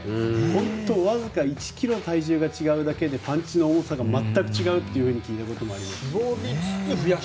本当にわずか１ｋｇ体重が違うだけでパンチの重さが全く違うって聞いたことがありますし。